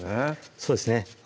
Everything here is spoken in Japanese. そうですね